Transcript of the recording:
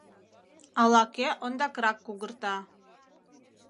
— Ала-кӧ ондакрак кугырта...